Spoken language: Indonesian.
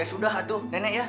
ya sudah tuh nenek ya